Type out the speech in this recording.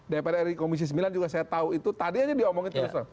dpr ri komisi sembilan juga saya tahu itu tadi aja diomongin terus